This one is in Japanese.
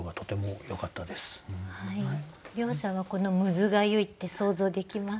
涼さんはこの「むずがゆい」って想像できますか？